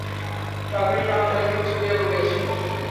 পাগড়ির প্রান্ত একদিকে ঝুলিয়া পড়িয়াছিল।